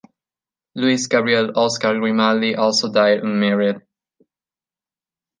Louis-Gabriel-Oscar Grimaldi also died unmarried.